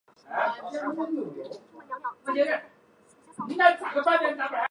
加强学生安全管理